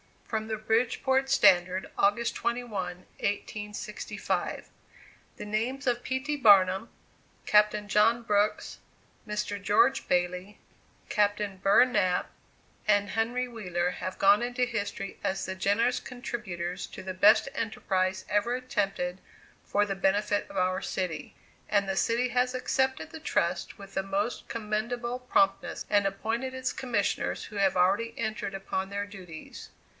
[From the "Bridgeport Standard," August 21, 1865.] The names of P. T. Barnum, Capt. John Brooks, Mr. George Bailey, Capt. Burr Knapp and Henry Wheeler have gone into history as the generous contributors to the best enterprise ever attempted for the benefit of our city; and the city has accepted the trust with the most commendable promptness, and appointed its commissioners, who have already entered upon their duties.